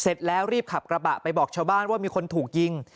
เสร็จแล้วรีบขับกระบะไปบอกชาวบ้านว่ามีคนถูกยิง